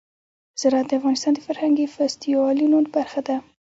زراعت د افغانستان د فرهنګي فستیوالونو برخه ده.